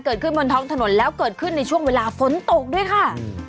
เกิดขึ้นบนท้องถนนแล้วเกิดขึ้นในช่วงเวลาฝนตกด้วยค่ะ